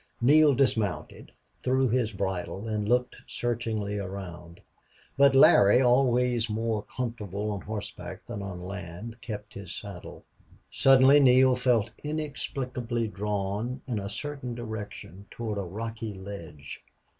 Neale dismounted, threw his bridle, and looked searchingly around. But Larry, always more comfortable on horseback than on land, kept his saddle. Suddenly Neale felt inexplicably drawn in a certain direction toward a rocky ledge.